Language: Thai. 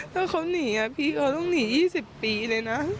ถ้าเขาหนีพี่เขาต้องหนี๒๐ปีเลยนะ